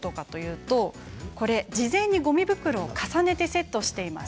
事前にごみ袋を重ねてセットしています。